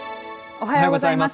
おはようございます。